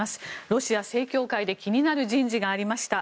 ロシア正教会で気になる人事がありました。